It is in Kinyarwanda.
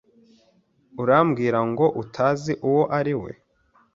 Urambwira ngo utazi uwo ari we?